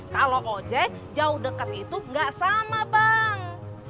kalau ojek jauh dekat itu nggak sama bang